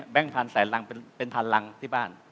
แบงค์พันธุ์ใส่รังเป็นพันธุ์รังที่บ้าน